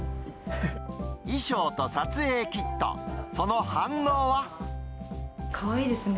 衣装と撮影キット、その反応かわいいですね。